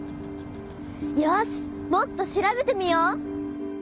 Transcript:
よしもっと調べてみよう！